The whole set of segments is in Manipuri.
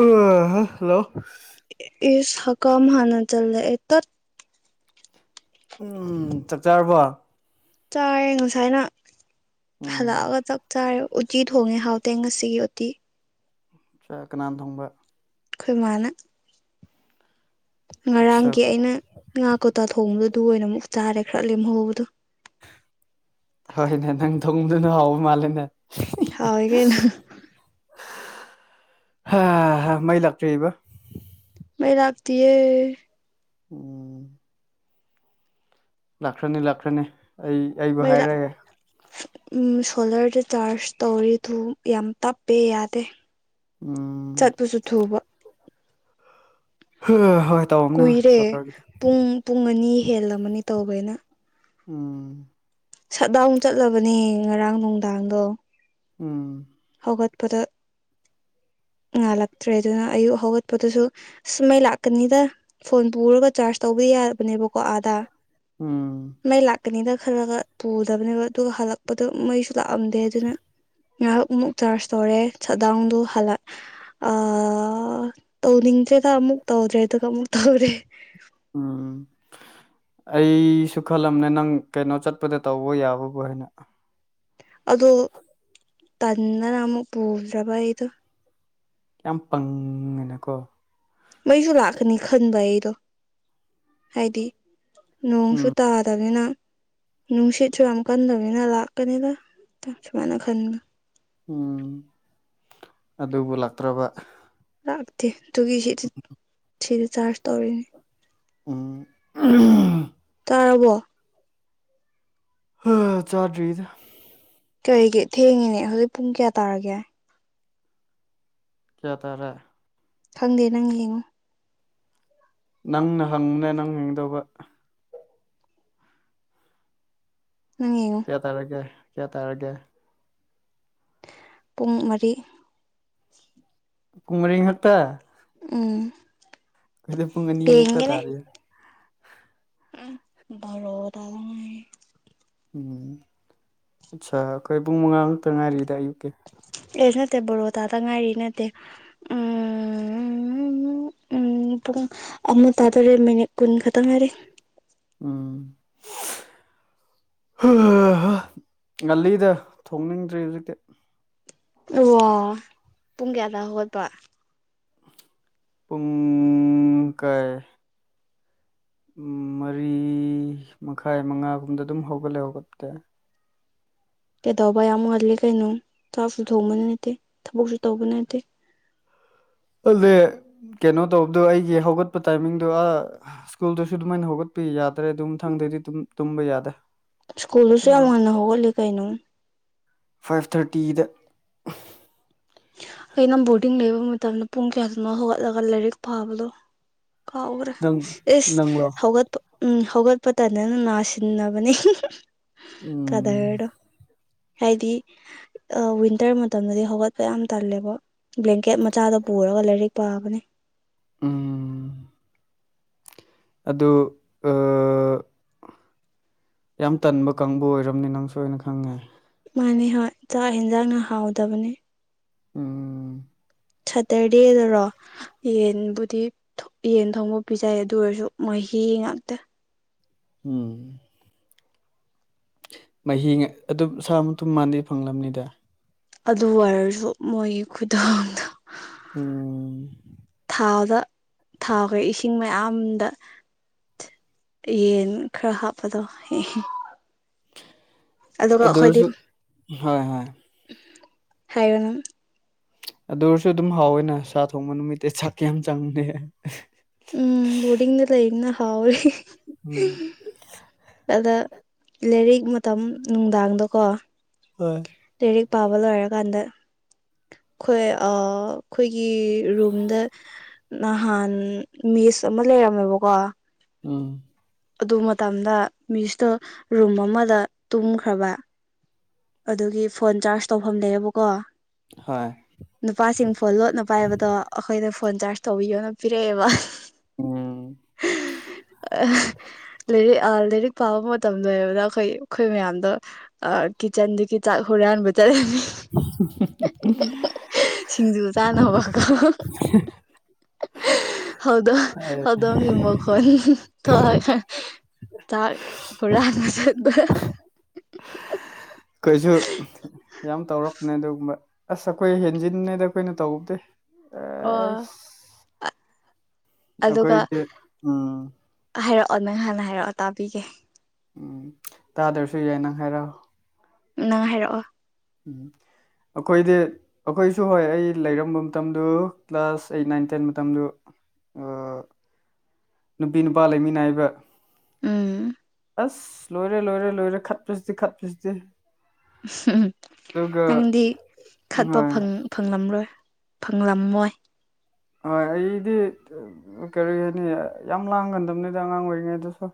ꯑ ꯍꯜꯂꯣ ꯏꯁ ꯍꯀꯝ ꯍꯥꯟꯅ ꯆꯜꯂꯦꯛꯑꯦ ꯇꯠ ꯎꯝ ꯆꯥꯛ ꯆꯥꯔꯕꯣ ꯆꯥꯔꯦ ꯉꯁꯥꯏꯅ ꯎꯝ ꯍꯜꯂꯛꯑꯒ ꯆꯥꯛ ꯆꯥꯔꯦ ꯎꯇꯤ ꯊꯣꯡꯉꯦ ꯍꯥꯎꯇꯦ ꯉꯁꯤꯒꯤ ꯎꯇꯤ ꯆꯥꯛ ꯀꯅꯥꯟ ꯊꯣꯡꯕ ꯑꯩꯈꯣꯏ ꯃꯥꯅ ꯉꯔꯥꯡꯒꯤ ꯆꯥꯛ ꯑꯩꯅ ꯉꯥ ꯀꯣꯇꯥ ꯊꯣꯡꯕꯗꯣ ꯑꯗꯨ ꯑꯣꯏꯅ ꯑꯃꯨꯛ ꯆꯥꯔꯦ ꯈꯔ ꯂꯦꯝꯍꯧꯕꯗꯣ ꯍꯣꯏꯅꯦ ꯅꯪ ꯊꯣꯡꯗꯨꯅ ꯍꯥꯎꯕ ꯃꯥꯜꯂꯦꯅꯦ ꯍꯥꯎꯏ ꯀꯩꯅꫭ ꯃꯩ ꯂꯥꯛꯇ꯭ꯔꯤꯕ ꯃꯩ ꯂꯥꯛꯇꯤꯌꯦ ꯑꯣ ꯂꯥꯛꯈ꯭ꯔꯅꯤ ꯂꯥꯛꯈ꯭ꯔꯅꯤ ꯑꯩ ꯃꯩꯔꯥ ꯑ ꯁꯣꯂꯔꯗ ꯆꯥꯔꯖ ꯇꯧꯔꯤꯗꯨ ꯌꯥꯝ ꯇꯞꯄꯦ ꯌꯥꯗꯦ ꯎꯝ ꯆꯠꯄꯁꯨ ꯊꯨꯕ ꯎꯝ ꯍꯣꯏ ꯇꯧꯕꯅꯦ ꯀꯨꯏꯔꯦ ꯁꯣꯂꯔꯒꯤꯗꯤ ꯄꯨꯡ ꯄꯨꯡ ꯑꯅꯤ ꯍꯦꯜꯂꯝꯃꯅꯤ ꯇꯧꯕꯩꯅ ꯎꯝ ꯁꯠ ꯗꯥꯎꯟ ꯆꯠꯂꯕꯅꯦ ꯉꯔꯥꯡ ꯅꯨꯡꯗꯥꯡꯗꯣ ꯎꯝ ꯍꯧꯒꯠꯄꯗ ꯉꯥꯜꯂꯛꯇ꯭ꯔꯦ ꯑꯗꯨꯅ ꯑꯌꯨꯛ ꯍꯧꯒꯠꯄꯗꯨꯁꯨ ꯁꯨꯝꯃꯩ ꯂꯥꯛꯀꯅꯤꯗ ꯐꯣꯟ ꯄꯨꯔꯒ ꯆꯥꯔꯖ ꯇꯧꯕ ꯌꯥꯕꯅꯦꯕꯀꯣ ꯑꯥꯗꯥ ꯎꯝ ꯃꯩ ꯂꯥꯛ ꯀꯅꯤꯗ ꯈꯜꯂꯒ ꯄꯨꯗꯕꯅꯦꯕ ꯑꯗꯨꯒ ꯍꯜꯂꯛꯄꯗ ꯃꯩꯁꯨ ꯂꯥꯛꯑꯝꯗꯦ ꯑꯗꯨꯅ ꯉꯥꯏꯍꯥꯛꯃꯨꯛ ꯆꯥꯔꯖ ꯇꯧꯔꯦ ꯁꯠ ꯗꯥꯎꯟꯗꯨ ꯍꯜꯂꯛ ꯑ ꯇꯧꯅꯤꯡꯗ꯭ꯔꯦꯗ ꯑꯃꯨꯛ ꯇꯧꯗ꯭ꯔꯦꯗꯨ ꯑꯃꯨꯛ ꯇꯧꯔꯦ ꯎꯝ ꯑꯩꯁꯨ ꯈꯜꯂꯝꯅꯦ ꯅꯪ ꯀꯩꯅꯣ ꯆꯠꯄꯗ ꯇꯧꯕ ꯌꯥꯕꯕꯨ ꯍꯥꯏꯅ ꯑꯗꯣ ꯇꯟꯗꯅ ꯑꯃꯨꯛ ꯄꯨꯗ꯭ꯔꯕ ꯑꯩꯗꯣ ꯌꯥꯝ ꯄꯪꯒꯅꯨꯀꯣ ꯃꯩꯁꯨ ꯂꯥꯛꯀꯅꯤ ꯈꯟꯕ ꯑꯩꯗꯣ ꯍꯥꯏꯗꯤ ꯅꯣꯡꯁꯨ ꯎꯝ ꯇꯥꯗꯝꯅꯤꯅ ꯅꯨꯡꯁꯤꯠꯁꯨ ꯌꯥꯝ ꯀꯟꯗꯅꯤꯅ ꯂꯥꯛꯀꯅꯤꯗ ꯁꯨꯃꯥꯏꯅ ꯈꯟꯅ ꯎꯝ ꯑꯗꯨꯕꯨ ꯂꯥꯛꯇ꯭ꯔꯕ ꯂꯥꯛꯇꯦ ꯑꯗꯨꯒꯤ ꯁꯤꯗꯤ ꯁꯤꯗꯤ ꯆꯥꯔꯖ ꯇꯧꯔꯤꯅꯦ ꯎꯝ ꯎꯝ ꯇꯥꯔꯕꯣ ꯍꫭꯏ ꯍꫭꯏ ꯆꯥꯗ꯭ꯔꯤꯗ ꯀꯔꯤꯒꯤ ꯊꯦꯡꯉꯤꯅꯦ ꯍꯧꯖꯤꯛ ꯄꯨꯡ ꯀꯌꯥ ꯇꯥꯔꯒꯦ ꯀꯌꯥ ꯇꯥꯔꯦ ꯈꯪꯗꯦ ꯅꯪ ꯌꯦꯡꯉꯨ ꯅꯪꯅ ꯍꯪꯕꯅꯦ ꯅꯪ ꯌꯦꯡꯗꯧꯕ ꯅꯪ ꯌꯦꯡꯉꯨ ꯀꯌꯥ ꯇꯥꯔꯒꯦ ꯀꯌꯥ ꯇꯥꯔꯒꯦ ꯄꯨꯡ ꯃꯔꯤ ꯄꯨꯡ ꯃꯔꯤ ꯈꯛꯇ ꯎꯝ ꯑꯩꯈꯣꯏꯗꯤ ꯄꯨꯡ ꯑꯅꯤ ꯉꯛꯇ ꯌꯦꯡꯒꯦꯅꯦ ꯇꯥꯔꯤꯌꯦ ꯎꯝ ꯕꯥꯔꫭ ꯇꯥꯗꯔꫭ ꯃꯥꯜꯂꯦ ꯎꯝ ꯑꯠꯆꯥꯥ ꯑꯩꯈꯣꯏ ꯄꯨꯡ ꯃꯪꯉꯥ ꯈꯛꯇ ꯉꯥꯏꯔꯤꯗ ꯑꯌꯨꯛꯀꯤ ꯑꯦ ꯅꯠꯇꯦ ꯕꯥꯔꯣꯇꯥꯗ ꯉꯥꯏꯔꯤ ꯅꯠꯇꯦ ꯎꯝ ꯎꯝ ꯄꯨꯡ ꯑꯃ ꯇꯥꯗꫭꯔꯦ ꯃꯤꯅꯤꯠ ꯀꯨꯟ ꯈꯛꯇ ꯉꯥꯏꯔꯦ ꯎꯝ ꯉꯜꯂꯤꯗ ꯊꯣꯡꯅꯤꯡꯗ꯭ꯔꯤ ꯍꯧꯖꯤꯛꯇꯤ ꯑꯣ ꯄꯨꯡ ꯀꯌꯥꯗ ꯍꯧꯒꯠꯄ ꯄꯨꯡ ꯀꯩ ꯃꯔꯤ ꯃꯈꯥꯏ ꯃꯉꯥꯒꯨꯝꯕꯗ ꯑꯗꯨꯝ ꯍꯧꯒꯠꯂꯦ ꯍꯧꯒꯠꯄꯗꯤ ꯀꯩꯗꯕ ꯌꯥꯝ ꯉꯜꯂꯤ ꯀꯩꯅꯣ ꯆꯥꯛꯁꯨ ꯊꯣꯡꯕ ꯅꯠꯇꯦ ꯊꯕꯛꯁꯨ ꯇꯧꯕ ꯅꯠꯇꯦ ꯑꯗꯨꯗꯤ ꯀꯩꯅꯣ ꯇꯧꯕꯗꯣ ꯑꯩꯒꯤ ꯍꯧꯒꯠꯄ ꯇꯥꯏꯃꯤꯡꯗꯣ ꯑꯥ ꯏꯁ꯭ꯀꯨꯜꯗꯨꯁꯨ ꯑꯗꯨꯃꯥꯏꯅ ꯍꯧꯒꯠꯄ ꯌꯥꯗ꯭ꯔꯦ ꯑꯗꯨꯝꯊꯪꯗꯩꯗꯤ ꯑꯗꯨꯝ ꯇꯨꯝꯕ ꯌꯥꯗꯦ ꯏꯁ꯭ꯀꯨꯜꯗꯨꯁꯨ ꯌꯥꯝ ꯉꯟꯅ ꯍꯧꯒꯠꯂꯤ ꯀꯩꯅꯣ ꯐꯥꯏꯐ ꯊꯔꯇꯤꯗ ꯑꯩꯅ ꯕꯣꯔꯗꯤꯡ ꯂꯩꯕ ꯃꯇꯝꯗ ꯄꯨꯡ ꯀꯌꯥꯗꯅꯣ ꯍꯧꯒꯠꯂꯒ ꯂꯥꯏꯔꯤꯛ ꯄꯥꯕꯗꯣ ꯀꯥꯎꯒ꯭ꯔꯦ ꯅꯪ ꯏꯁ ꯅꯪꯂꯣ ꯍꯧꯒꯠꯄ ꯎꯝ ꯍꯧꯒꯠꯄꯇꯟꯗꯅ ꯅꯥꯁꯤꯟꯅꯕꯅꯤ ꯎꯝ ꯀꯗꯔꯗꯣ ꯍꯥꯏꯗꯤ ꯋꯤꯟꯇꯔ ꯃꯇꯝꯗꯗꯤ ꯍꯧꯒꯠ ꯐ ꯌꯥꯝ ꯇꯜꯂꯦꯕ ꯕ꯭ꯂꯦꯡꯀꯦꯠ ꯃꯆꯥꯗꯣ ꯄꯨꯔꯒ ꯂꯥꯏꯔꯤꯛ ꯄꯥꯕꯅꯦ ꯎꯝ ꯑꯗꯨ ꯑ ꯌꯥꯝ ꯇꯟꯕ ꯀꯥꯡꯕꯨ ꯑꯣꯏꯔꯝꯅꯤ ꯅꯪꯁꯨ ꯑꯩꯅ ꯈꯪꯉꯦ ꯃꯥꯅꯤ ꯍꯣꯏ ꯆꯥꯛ ꯌꯦꯟꯖꯥꯡꯅ ꯍꯥꯎꯗꯕꯅꯤ ꯎꯝ ꯁꯇꯔꯗꯦꯗꯔꯣ ꯌꯦꯟꯕꯨꯗꯤ ꯌꯦꯟ ꯊꯣꯡꯕ ꯄꯤꯖꯩ ꯑꯗꯨ ꯑꯣꯏꯔꯁꯨ ꯃꯍꯤ ꯉꯥꯛꯇ ꯎꯝ ꯃꯍꯤ ꯑꯗꯨꯝ ꯁꯥ ꯃꯇꯨꯝ ꯃꯥꯟꯗꯦ ꯐꯪꯂꯝꯕꯅꯤꯗ ꯑꯗꯨ ꯑꯣꯏꯔꯁꯨ ꯃꯣꯏꯒꯤ ꯈꯨꯊꯥꯡꯗ ꯎ ꯊꯥꯎꯗ ꯊꯥꯎꯈꯦ ꯏꯁꯤꯡ ꯃꯌꯥꯝꯗ ꯌꯦꯟ ꯈꯔ ꯍꯥꯞꯄꯗꯣ ꯑꯗꯨꯒ ꯑꯗꯨ ꯑꯩꯈꯣꯏꯗꯤ ꯑꯣꯏꯔꯁꯨ ꯍꯣꯏ ꯍꯣꯏ ꯍꯥꯏꯔꯨꯅ ꯑꯗꯨ ꯑꯣꯏꯔꯁꯨ ꯑꯗꯨꯝ ꯍꯥꯎꯋꯦꯅ ꯁꯥ ꯊꯣꯡꯕ ꯅꯨꯃꯤꯠꯇꯦ ꯁꯛꯀ ꯌꯥꯝ ꯆꯪꯅꯦ ꯎꯝ ꯕꯨꯗꯤꯒꯅꯦꯂ ꯏꯅ ꯍꯥꯎ꯭ꯔꯤ ꯎꯝ ꯑꯗ ꯂꯥꯏꯔꯤꯛ ꯃꯇꯝ ꯅꯨꯡꯗꯥꯡꯗꯀꯣ ꯍꯣꯏ ꯂꯥꯏꯔꯤꯛ ꯄꯥꯕ ꯂꯣꯏꯔꯀꯥꯟꯗ ꯑꯩꯈꯣꯏ ꯑꯩꯈꯣꯏꯒꯤ ꯔꯨꯝꯗ ꯅꯍꯥꯟ ꯃꯤꯁ ꯑꯃ ꯂꯩꯔꯝꯃꯦꯕꯀꯣ ꯎꯝ ꯑꯗꯨ ꯃꯇꯝꯗ ꯃꯤꯁꯇꯣ ꯔꯨꯝ ꯑꯃꯗ ꯇꯨꯝꯈ꯭ꯔꯕ ꯑꯗꯨꯒꯤ ꯐꯣꯟ ꯆꯥꯔꯖ ꯇꯧꯐꯝ ꯂꯩꯌꯦꯕꯀꯣ ꯍꯥ ꯅꯨꯄꯥꯁꯤꯡ ꯐꯣꯟ ꯂꯣꯠꯅ ꯄꯥꯏꯕꯗꯣ ꯑꯩꯈꯣꯏꯗ ꯐꯣꯟ ꯆꯥꯔꯖ ꯇꯧꯕꯤꯌꯣꯅ ꯄꯤꯔꯛꯑꯦꯕ ꯎꯝ [unintelligible] ꯂꯥꯏꯔꯤꯛ ꯄꯥꯕ ꯃꯇꯝ ꯂ ꯑꯣꯏꯔꯕꯗ ꯑꯩꯈꯣꯏ ꯑꯩꯈꯣꯏ ꯃꯌꯥꯝꯗꯣ ꯀꯤꯠꯆꯟꯗꯨꯗꯒꯤ ꯆꯥꯛ ꯍꯨꯔꯥꯟꯕ ꯆꯠꯂꯅꯤ ꯁꯤꯡꯖꯨ ꯆꯥꯅꯕꯅꯕꯀꯣ ꯍꯥꯎꯗ ꯍꯗꯪ ꯏꯃꯒ ꯍ ꯊꯑ ꯇꯥꯛ ꯍꯔꯗ ꯀꯩꯁꯨ ꯌꯥꯝ ꯇꯧꯔꯛꯄꯅꯦ ꯑꯗꯨꯒꯨꯝꯕ ꯑꯁ ꯑꯩꯈꯣꯏ ꯍꯦꯟꯖꯤꯟꯅꯉꯩꯗ ꯑꯩꯈꯣꯏꯅ ꯇꯧꯕꯗꯦ ꯑ ꯑꯣ ꯑꯗꯨꯒ ꯑꯩꯈꯣꯏꯒꯤ ꯎꯝ ꯍꯥꯏꯔꯛꯑꯣ ꯅꯪ ꯍꯥꯟꯅ ꯍꯥꯏꯔꯛꯑꯣ ꯇꯥꯕꯤꯒꯦ ꯎꯝ ꯇꯥꯗ꯭ꯔꯁꯨ ꯌꯥꯏ ꯅꯪ ꯍꯥꯏꯔꯛꯑꯣ ꯅꯪ ꯍꯥꯏꯔꯛꯑꯣ ꯎꯝ ꯑꯩꯈꯣꯏꯗꯤ ꯑꯩꯈꯣꯏꯁꯨ ꯍꯣꯏ ꯑꯩ ꯂꯩꯔꯝꯕ ꯃꯇꯝꯗꯨ ꯀ꯭ꯂꯥꯁ ꯑꯩꯠ ꯅꯥꯏꯟ ꯇꯦꯟ ꯃꯇꯝꯗꯨ ꯑ ꯅꯨꯄꯤ ꯅꯨꯄꯥ ꯂꯩꯃꯤ ꯅꯥꯏꯕ ꯎꯝ ꯑꯁ ꯂꯣꯏꯔꯦ ꯂꯣꯏꯔꯦ ꯂꯣꯏꯔꯦ ꯈꯠꯄ꯭ꯔꯁꯤꯗꯤ ꯈꯠꯄ꯭ꯔꯁꯤꯗꯤ ꯎꯝ ꯅꯪꯗꯤ ꯈꯠꯄ ꯍꯣꯏ ꯐꯪ ꯐꯪꯂꯝꯔꯣꯏ ꯐꯪꯂꯝꯃꯣꯏ ꯍꯣꯏ ꯑꯩꯗꯤ ꯀꯔꯤ ꯍꯥꯏꯅꯤ ꯌꯥꯝ ꯂꯥꯡꯒꯟꯗꯕꯅꯤꯗ ꯑꯉꯥꯡ ꯑꯣꯏꯔꯤꯉꯩꯗꯁꯨ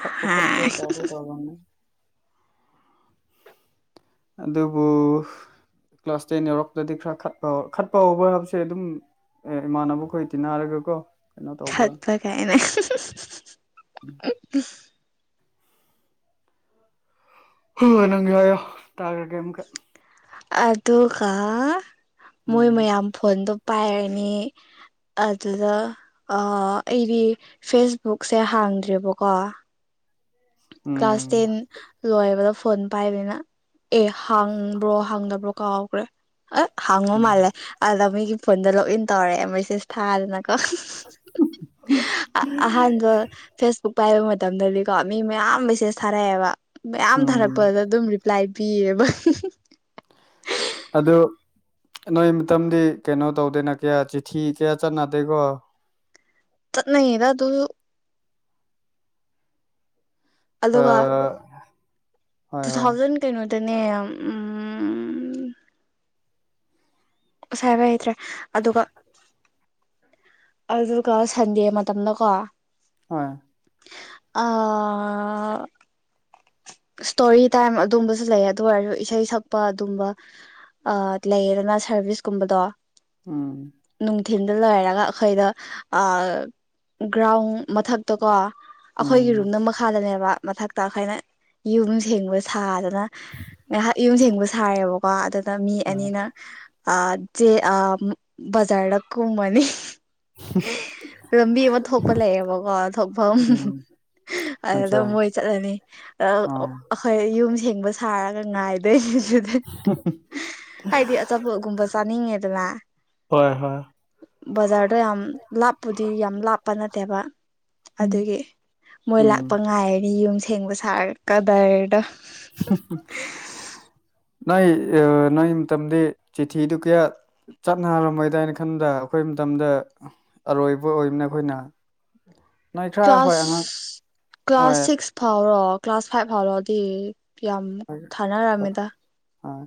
ꯈꯛꯄ ꯈꯠꯄ ꯍꯥꯏ ꯏꯗꯤ ꯇꯥꯔꯝꯅꯤ ꯑꯗꯨꯕꯨ ꯀ꯭ꯂꯥꯁ ꯇꯦꯟ ꯌꯧꯔꯛꯛꯇꯗꯤ ꯈꯔꯠꯄ ꯈꯠꯄ ꯍꯧꯕ ꯍꯥꯏꯕꯁꯦ ꯑꯗꯨꯝ ꯑꯦ ꯏꯃꯥꯟꯅꯕ ꯈꯣꯏ ꯇꯤꯟꯅꯔꯒꯀꯣ ꯀꯩꯅꯣ ꯇꯧꯕ [unintelligible] ꯍꯣꯏ ꯅꯪꯒꯤ ꯍꯥꯏꯌꯣ ꯇꯥꯈ꯭ꯔꯒꯦ ꯑꯃꯨꯈꯛ ꯑꯗꯨꯒ ꯃꯣꯏ ꯎꯝ ꯃꯌꯥꯝ ꯐꯣꯟꯗꯣ ꯄꯥꯏꯔꯅꯤ ꯑꯗꯨꯗ ꯑꯩꯗꯤ ꯐꯦꯁꯕꯨꯛꯁꯦ ꯍꯥꯡꯗ꯭ꯔꯦꯕꯀꯣ ꯀ꯭ꯂꯥꯁ ꯎꯝ ꯇꯦꯟ ꯂꯣꯏꯕꯗ ꯐꯣꯟ ꯄꯥꯏꯕꯅꯤꯅ ꯑꯦ ꯍꯥꯡꯕ꯭ꯔꯣ ꯍꯥꯡꯗꯕ꯭ꯔꯣ ꯀꯥꯎꯈ꯭ꯔꯦ ꯑ ꯍꯥꯡꯉꯣ ꯎꯝ ꯃꯥꯜꯂꯦ ꯑꯗ ꯃꯤꯒꯤ ꯐꯣꯟꯗ ꯂꯣꯛ ꯏꯟ ꯇꯧꯔꯛꯑꯦ ꯃꯦꯁꯦꯁ ꯊꯥꯗꯅꯀꯣ ꯑꯍꯥꯟꯕ ꯐꯦꯁꯕꯨꯛ ꯄꯥꯏꯕ ꯃꯇꯝꯗꯗꯤꯀꯣ ꯃꯤ ꯃꯌꯥꯝ ꯃꯦꯁꯦꯁ ꯊꯥꯔꯛꯑꯦꯕ ꯃꯌꯥꯝ ꯎꯝ ꯊꯥꯔꯛꯄꯗ ꯑꯗꯨꯝ ꯔꯤꯄ꯭ꯂꯥꯏ ꯄꯕ ꯑꯗꯣ ꯅꯣꯏ ꯃꯇꯝꯇꯗꯤ ꯀꯩꯅꯣ ꯇꯧꯗꯦꯅ ꯀꯌꯥ ꯆꯤꯊꯤ ꯀꯌꯥ ꯆꯠꯅꯗꯦꯀꯣ ꯅꯗ ꯑꯗꯨ ꯑ ꯑꯗꯨꯒ ꯍꯣꯏ ꯇꯨ ꯍꯣꯏ ꯊꯥꯎꯖꯟ ꯀꯩꯅꯣꯗꯅꯦ ꯎꯝ ꯁꯥꯏ ꯍꯥꯏꯕ ꯍꯩꯇ꯭ꯔꯦ ꯑꯗꯨꯒ ꯑꯗꯨꯒ ꯁꯟꯗꯦ ꯃꯇꯝꯗꯀꯣ ꯑ ꯑ ꯏꯁꯇꯣꯔꯤ ꯇꯥꯏꯝ ꯑꯗꯨꯝꯕꯁꯨ ꯂꯩ ꯑꯗꯨ ꯑꯣꯏꯔꯁꯨ ꯏꯁꯩ ꯁꯛꯄ ꯑꯗꯨꯝꯕ ꯑ ꯂꯩꯌꯦꯗꯅ ꯁꯔꯚꯤꯁꯀꯨꯝꯕꯗꯣ ꯎꯝ ꯅꯨꯡꯊꯤꯤꯟꯗ ꯂꯣꯏꯔꯒ ꯑꯩꯈꯣꯏꯗ ꯒ꯭ꯔꯥꯎꯟ ꯃꯊꯛꯇ ꯀꯣ ꯑꯩꯈꯣꯏꯒꯤ ꯎꯝ ꯔꯨꯝꯅ ꯃꯈꯥꯗꯅꯦꯕ ꯃꯊꯛꯇ ꯑꯩꯈꯣꯏꯅ ꯌꯨꯝ ꯁꯦꯡꯕ ꯁꯥꯗꯅ ꯉꯥꯏꯍꯥꯛ ꯌꯨꯝꯊꯦꯡꯕ ꯁꯥꯔꯦꯕꯀꯣ ꯑꯗꯨꯗ ꯃꯤ ꯑꯅꯤꯅ ꯆꯦ ꯖꯔꯗ ꯀꯨꯝꯃꯅꯤ ꯂꯝꯕꯤ ꯑꯃ ꯊꯣꯛꯄ ꯂꯩꯌꯦꯕꯀꯣ ꯊꯣꯛꯐꯝ ꯎꯝ ꯑꯆꯥ ꯑꯗꯨꯗꯝ ꯃꯣꯏ ꯆꯠꯂꯅꯤ ꯑꯥ ꯑꯩꯈꯣꯏ ꯌꯨꯝ ꯁꯦꯡꯕ ꯁꯥꯔꯒ ꯉꯥꯏꯗꯣꯏ ꯍꯥꯏꯗꯤ ꯑꯆꯥꯄꯣꯠꯒꯨꯝꯕ ꯆꯥꯅꯤꯡꯉꯦꯗꯅ ꯍꯣꯏ ꯍꯣꯏ ꯕꯖꯥꯔꯗꯣ ꯌꯥꯝ ꯂꯥꯞꯄꯨꯗꯤ ꯌꯥꯝ ꯂꯥꯞꯄ ꯅꯠꯇꯦꯕ ꯑꯗꯨꯒꯤ ꯃꯣꯏ ꯎꯝ ꯂꯥꯛꯄ ꯉꯥꯏꯔꯅꯤ ꯌꯨꯝ ꯁꯦꯡꯕ ꯁꯥꯔ ꯀꯗꯔꯗ ꯅ ꯑ ꯅꯪ ꯇꯝꯗꯤ ꯆꯤꯊꯤ ꯇꯨ ꯀꯌꯥ ꯆꯠꯅꯔꯝꯃꯣꯏꯗꯥꯏꯅ ꯈꯟꯗ ꯑꯩꯈꯣꯏ ꯃꯇꯝꯗ ꯑꯔꯣꯏꯕ ꯑꯣꯏꯕꯅ ꯑꯩꯈꯣꯏꯅ ꯅꯣꯏ ꯈꯔ ꯍꯣꯏ ꯀ꯭ꯂꯥꯁ ꯑꯉꯥꯡ ꯍꯣꯏ ꯀ꯭ꯂꯥꯁ ꯁꯤꯛꯁ ꯐꯥꯎꯔꯣ ꯀ꯭ꯂꯥꯁ ꯐꯥꯏꯚ ꯐꯥꯎꯔꯣꯗꯤ ꯌꯥꯝ ꯍꯣꯏ ꯊꯥꯅꯔꯝꯃꯤꯗ ꯍꯣꯏ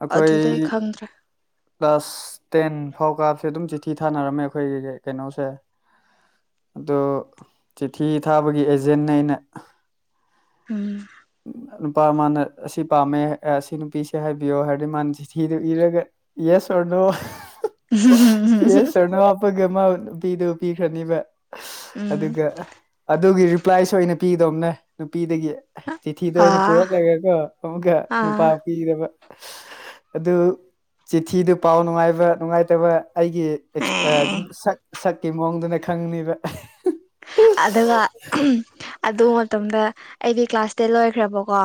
ꯑꯩꯈꯣꯏ ꯑꯗꯨꯗꯩ ꯈꯪꯗ꯭ꯔꯦ ꯀ꯭ꯂꯥꯁ ꯇꯦꯟ ꯐꯥꯎ ꯀꯥꯞꯁꯦ ꯑꯗꯨꯝ ꯆꯤꯊꯤ ꯊꯥꯅꯔꯝꯃꯦ ꯑꯩꯈꯣꯏꯒꯤ ꯀꯩꯅꯣꯁꯦ ꯑꯗꯣ ꯆꯤꯊꯤ ꯊꯥꯕꯒꯤ ꯑꯦꯖꯦꯟꯅ ꯑꯩꯅ ꯎꯝ ꯅꯨꯄꯥ ꯃꯥꯅ ꯑꯁꯤ ꯄꯥꯝꯃꯦ ꯑꯁꯤ ꯅꯨꯄꯤꯁꯦ ꯍꯥꯏꯕꯤꯌꯣ ꯍꯥꯏꯔꯗꯤ ꯃꯥꯅ ꯆꯤꯊꯤꯗ ꯏꯔꯒ ꯌꯦ ꯁꯨꯔꯅꯨ ꯑꯦ ꯁꯔꯅ ꯋꯥꯄꯒ ꯑꯃ ꯅꯨꯄꯤꯗꯨ ꯄꯤꯈ꯭ꯔꯅꯤꯕ ꯎꯝ ꯑꯗꯨꯒ ꯑꯗꯨꯒꯤ ꯔꯤꯄ꯭ꯂꯥꯏꯁꯨ ꯑꯣꯏꯅ ꯄꯤꯗꯧꯝꯅꯦ ꯅꯨꯄꯤꯗꯒꯤ ꯆꯤꯊꯤꯗ ꯑꯣꯏꯅ ꯑꯥ ꯄꯨꯔꯛꯂꯒꯦꯀꯣ ꯑꯃꯨꯛꯀ ꯑꯥ ꯅꯨꯄꯥ ꯄꯤꯗꯕ ꯑꯗꯨ ꯆꯤꯊꯤꯗꯨ ꯄꯥꯎ ꯅꯨꯡꯉꯥꯏꯕ ꯅꯨꯡꯉꯥꯏꯇꯕ ꯑꯩꯒꯤ ꯑꯦꯛꯁ ꯑꯦ ꯑꯗꯨꯝ ꯁꯛ ꯁꯛꯀꯤ ꯃꯑꯣꯡꯗꯨꯅ ꯈꯪꯅꯤꯕ ꯑꯗꯨꯒ ꯑꯗꯨ ꯃꯇꯝꯗ ꯑꯩꯗꯤ ꯀ꯭ꯂꯥꯁ ꯇꯦꯟ ꯂꯣꯏꯈ꯭ꯔꯕꯀꯣ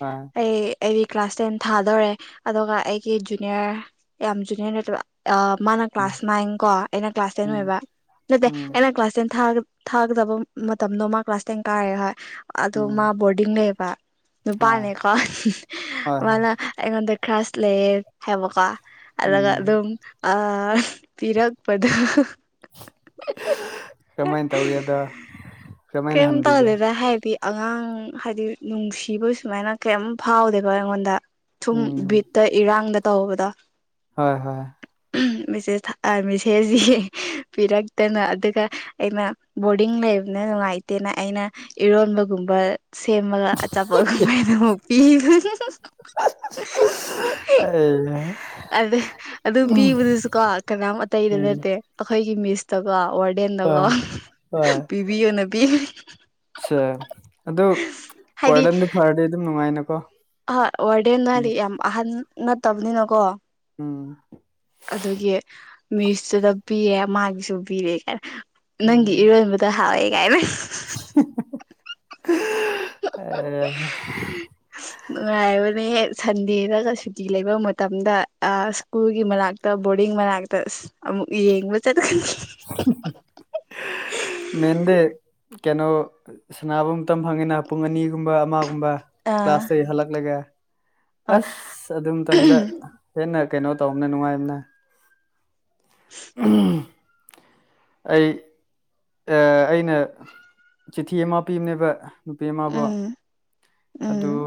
ꯑ ꯑꯩ ꯑꯩꯒꯤ ꯀ꯭ꯂꯥꯁ ꯇꯦꯟ ꯊꯥꯗꯣꯔꯦ ꯑꯗꯨꯒ ꯑꯩꯒꯤ ꯖꯨꯅꯤꯌꯔ ꯖꯨꯅꯤ ꯅꯠꯇ ꯃꯥꯅ ꯀ꯭ꯂꯥꯁ ꯅꯥꯏꯟ ꯀꯣ ꯑꯩꯅ ꯀ꯭ꯂꯥꯁ ꯇꯦꯟ ꯎꯝ ꯑꯣꯏꯕ ꯅꯠꯇꯦ ꯎꯝ ꯑꯩꯅ ꯀ꯭ꯂꯥꯁ ꯇꯦꯟ ꯊꯥꯒ ꯊꯥꯒꯗꯕ ꯃꯇꯝꯗꯣ ꯃꯥ ꯀ꯭ꯂꯥꯁ ꯇꯦꯟ ꯀꯥꯔꯦ ꯍꯣꯏ ꯑꯗꯣ ꯎꯝ ꯃꯥ ꯕꯣꯔꯗꯤꯡ ꯂꯩꯕ ꯍꯣꯏ ꯅꯨꯄꯥꯅꯦꯀꯣ ꯍꯣꯏ ꯍꯣꯏ ꯃꯥꯅ ꯑꯩꯉꯣꯟꯗ ꯈ꯭ꯔꯥꯁ ꯂꯩꯌꯦ ꯍꯥꯏꯕꯀꯣ ꯑ ꯎꯝ ꯑꯗꯨꯝ ꯑ ꯇꯤꯔꯛꯄꯗ ꯀꯃꯥꯏꯅ ꯇꯧꯒꯦꯗꯣ ꯀꯝ ꯇꯧꯗꯦꯗ ꯍꯥꯏꯗꯤ ꯑꯉꯥꯡ ꯍꯥꯏꯗꯤ ꯅꯨꯡꯁꯤꯕ ꯁꯨꯃꯥꯏꯅ ꯀꯩꯝ ꯐꯥꯎꯗꯦꯕ ꯑꯩꯉꯣꯟꯗ ꯊꯨꯝ ꯎꯝ ꯕꯤꯠꯇ ꯏꯔꯥꯡꯗ ꯇꯧꯕꯗ ꯍꯣꯏ ꯍꯣꯏ ꯃꯤꯁꯦ ꯊꯃꯤꯁꯦꯁꯤ ꯄꯤꯔꯛꯇꯅꯨ ꯑꯗꯨꯒ ꯑꯩꯅ ꯕꯣꯔꯗꯤꯡ ꯂꯩꯕꯅ ꯅꯨꯡꯉꯥꯏꯇ ꯂꯩꯇꯦꯅ ꯑꯩꯅ ꯏꯔꯣꯟꯕꯒꯨꯝꯕ ꯁꯦꯝꯃꯒ ꯑꯆꯥꯄꯣꯠ ꯀꯨꯝꯍꯥꯏꯅ ꯑꯃꯨꯛ ꯄꯤ ꯑꯁ ꯑꯦꯅꯦ ꯑꯗ ꯑꯗꯨ ꯄꯤꯕꯗꯨꯁꯨ ꯀꯣ ꯀꯅꯥꯝ ꯑꯇꯩꯗ ꯎꯝ ꯅꯠꯇꯦ ꯑꯩꯈꯣꯏꯒꯤ ꯃꯤꯁꯇꯀꯣ ꯋꯥ ꯐꯤꯕꯤ ꯑꯦ ꯑꯗꯨ ꯋꯥꯔꯗꯟꯗꯣ ꯐꯔꯗꯤ ꯑꯗꯨꯝ ꯅꯨꯡꯉꯥꯏꯅꯀꯣ ꯍꯣꯏ ꯋꯥꯔꯗꯦꯟ ꯅꯥꯜꯂꯤ ꯌꯥꯝ ꯑꯍꯟ ꯅꯠꯇꯕꯅꯤꯅꯀꯣ ꯎꯝ ꯑꯗꯨꯒꯤ ꯃꯤꯁꯁꯨꯗ ꯄꯤꯑꯦ ꯃꯥꯒꯤꯁꯨ ꯄꯤꯔꯦ ꯈꯔ ꯅꯪꯒꯤ ꯎꯝ ꯏꯔꯣꯟꯕꯗ ꯍꯥꯎꯋꯦ ꯀꯥꯏꯕꯅ ꯑꯁ ꯑꯦ ꯅꯦ ꯅꯨꯡꯉꯥꯏꯕꯅꯦ ꯁꯟꯗꯦꯗꯒ ꯁꯨꯇꯤ ꯂꯩꯕ ꯃꯇꯝꯗ ꯑ ꯁ꯭ꯀꯨꯜꯒꯤ ꯃꯅꯥꯛꯇ ꯕꯣꯔꯗꯤꯡ ꯃꯅꯥꯛꯇ ꯑꯃꯨꯛ ꯌꯦꯡꯕ ꯆꯠꯀꯅꯤ ꯃꯦꯟꯗꯤꯦ ꯀꯩꯅꯣ ꯁꯅꯥꯅꯕꯝꯇ ꯐꯪꯉꯤꯅ ꯄꯨꯡ ꯑꯅꯤꯒꯨꯝꯕ ꯑꯃ ꯀꯕꯥ ꯑꯥ ꯀ꯭ꯂꯥꯁ ꯇ ꯏ ꯍꯜꯂꯛ ꯂꯒꯦ ꯑꯥ ꯑꯁ ꯑꯗꯨ ꯃꯇꯝꯗ ꯍꯦꯟꯅ ꯀꯩꯅꯣ ꯇꯧꯕꯅ ꯅꯨꯡꯉꯥꯏꯕꯅ ꯎꯝ ꯑꯩ ꯑꯩꯅ ꯆꯤꯊꯤ ꯑꯃ ꯄꯤꯕꯅꯦꯕ ꯅꯨꯄꯤ ꯑꯃꯕꯨꯥꯎ ꯎꯝ ꯑꯗꯨ ꯎꯝ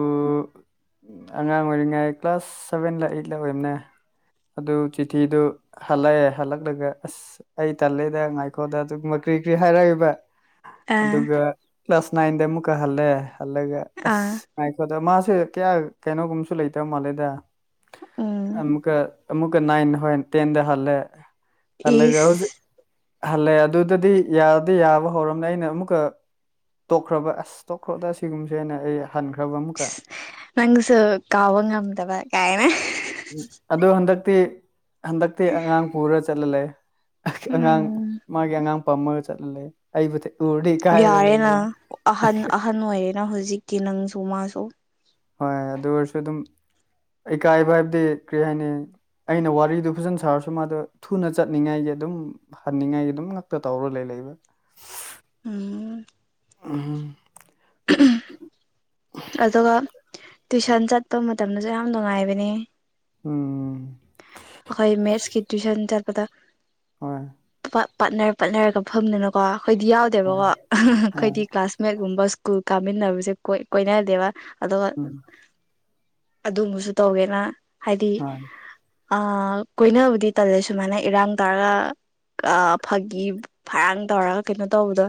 ꯑꯉꯥꯡ ꯑꯣꯏꯔꯤꯉꯥꯏ ꯀ꯭ꯂꯥꯁ ꯁꯚꯦꯟꯗ ꯑꯩꯠ ꯂ ꯑꯣꯏꯝꯅꯦ ꯑꯗꯨ ꯆꯤꯊꯤꯗꯨ ꯍꯜꯂꯛꯑꯦ ꯍꯜꯂꯛꯂꯒ ꯑꯁ ꯑꯩ ꯇꯜꯂꯤꯦꯗ ꯉꯥꯏꯈꯣꯗ ꯑꯗꯨꯒꯨꯝꯕ ꯀ꯭ꯔꯤ ꯀꯔꯤ ꯍꯥꯏꯔꯛꯏꯕ ꯑꯥ ꯑꯗꯨꯒ ꯀ꯭ꯂꯥꯁ ꯅꯥꯏꯟꯗ ꯑꯃꯨꯛꯀ ꯍꯜꯂꯦ ꯍꯜꯂꯒ ꯑꯥ ꯑꯁ ꯉꯥꯏꯈꯣꯠꯇ ꯃꯥꯁꯦ ꯀꯌꯥ ꯀꯩꯅꯣꯒꯨꯝꯁꯨ ꯂꯩꯇꯕ ꯃꯥꯜꯂꯦꯗ ꯎꯝ ꯑꯃꯨꯛꯀ ꯑꯃꯨꯛ ꯅꯥꯏꯟ ꯍ ꯇꯦꯟꯗ ꯍꯦ ꯍꯂꯒ ꯍꯧ ꯏꯁ ꯍꯜꯂꯦ ꯑꯗꯨꯗꯗꯤ ꯌꯥꯗꯤ ꯌꯥꯕ ꯍꯧꯔꯝꯂ ꯑꯩꯅ ꯑꯃꯨꯛꯀ ꯇꯣꯛꯈ꯭ꯔꯕ ꯑꯁ ꯇꯣꯛꯈ꯭ꯔꯣꯗ ꯁꯤꯒꯨꯝꯁꯦꯅꯦ ꯑꯩ ꯊꯥꯟꯈ꯭ꯔꯕ ꯑꯃꯨꯛꯀ ꯏꯁ ꯅꯪꯁꯨ ꯀꯋꯥ ꯉꯝꯗꯕ ꯀꯥꯏꯅꯦ ꯑꯗꯨ ꯍꯟꯗꯛꯇꯤ ꯍꯟꯗꯛꯇꯤ ꯑꯉꯥꯡ ꯄꯨꯔ ꯆꯠꯂ ꯂꯩ ꯑꯉꯥꯡ ꯎꯝ ꯃꯥꯒꯤ ꯑꯉꯥꯡ ꯄꯥꯝꯃꯒ ꯆꯠꯂ ꯂꯩ ꯑꯩꯕꯨꯗꯤ ꯌꯥꯔꯦꯅ ꯑꯍꯟ ꯑꯍꯟ ꯑꯣꯏꯔꯦꯅ ꯍꯧꯖꯤꯛꯇꯤ ꯅꯪꯁꯨ ꯃꯥꯁꯨ ꯍꯣꯏ ꯑꯗꯨ ꯑꯣꯏꯔꯁꯨ ꯑꯗꯨꯝ ꯏꯀꯥꯏꯕ ꯍꯥꯏꯕꯗꯤ ꯀꯔꯤ ꯍꯥꯏꯅꯤ ꯑꯩꯅ ꯋꯥꯔꯤꯗꯨ ꯐꯖꯅ ꯁꯥꯔꯁꯨ ꯃꯥꯗꯣ ꯊꯨꯅ ꯆꯠꯅꯤꯡꯉꯥꯏꯒꯤ ꯑꯗꯨꯝ ꯍꯅꯤꯡꯉꯥꯏ ꯑꯗꯨꯝ ꯉꯛꯇ ꯇꯧꯔꯒ ꯂꯩꯔꯛꯏꯕ ꯑ ꯎꯝ ꯎꯝ ꯑꯗꯨꯒ ꯇꯨꯏꯁꯟ ꯆꯠꯄ ꯃꯇꯝꯗꯁꯨ ꯌꯥꯝ ꯅꯨꯡꯉꯥꯏꯕꯅꯤ ꯎꯝ ꯑꯩꯈꯣꯏ ꯃꯦꯠꯁꯀꯤ ꯇ꯭ꯋꯁꯟ ꯆꯠꯄꯗ ꯍꯣꯏ ꯄꯥꯠꯅꯔ ꯄꯠꯅꯔꯒ ꯐꯝꯗꯅꯀꯣ ꯑꯩꯈꯣꯏꯗꯤ ꯌꯥꯎꯗꯦꯕꯀꯣ ꯍꯣꯏ ꯑꯩꯈꯣꯏꯗꯤ ꯀ꯭ꯂꯥꯁꯃꯦꯠꯀꯨꯝꯕ ꯀꯨꯜ ꯀꯥꯃꯤꯟꯅꯕꯁꯦ ꯀꯣꯏ ꯀꯣꯏꯅꯗꯦꯕ ꯑꯗꯨꯒ ꯎꯝ ꯑꯗꯨꯝꯕꯁꯨ ꯇꯧꯒꯦꯅ ꯍꯥꯏꯗꯤ ꯍꯣꯏ ꯑ ꯀꯣꯏꯕꯨꯗꯤ ꯇꯜꯂꯦ ꯁꯨꯃꯥꯏꯅ ꯏꯔꯥꯡ ꯇꯥꯔꯒ ꯐꯥꯒꯤ ꯐꯔꯥꯡ ꯇꯧꯔꯒ ꯀꯩꯅꯣ ꯇꯧꯕꯗꯣ